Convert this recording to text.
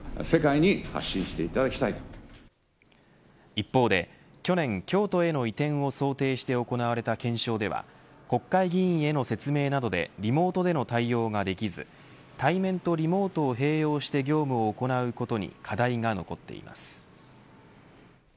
一方で去年、京都への移転を想定して行われた検証では国会議員への説明などでリモートでの対応ができず対面とリモートを併用して業務を行うことに課題が残っています。